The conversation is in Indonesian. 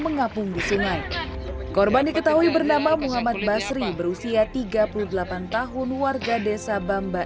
mengapung di sungai korban diketahui bernama muhammad basri berusia tiga puluh delapan tahun warga desa bamba